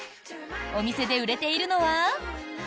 お店で売れているのは。